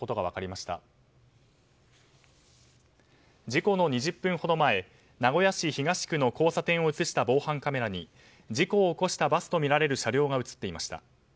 事故の２０分ほど前名古屋市東区の交差点を映した防犯カメラに事故を起こしたバスとみられる車両が映っていました。